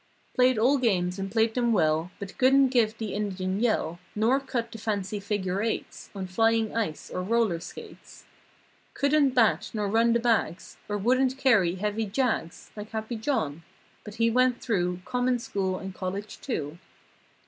Played all games and played them well But couldn't give the Indian yell Nor cut the fancy figure eights On flying ice or roller skates; Couldn't bat nor run the bags Or wouldn't carry heavy jags Like Happy John; but he went through Common School and College too.